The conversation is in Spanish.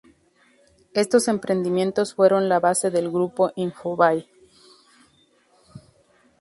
Estos emprendimientos fueron la base del Grupo Infobae.